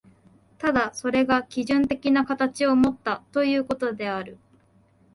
ただそれが基準的な形をもったということである。